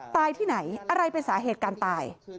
ที่ไหนอะไรเป็นสาเหตุการตาย